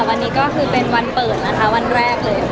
วันนี้ก็คือเป็นวันเปิดนะคะวันแรกเลยค่ะ